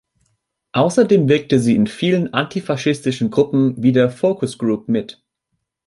Außerdem wirkte sie in vielen antifaschistischen Gruppen wie der "Focus Group" mit.